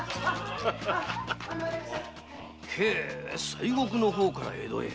西国の方から江戸へ？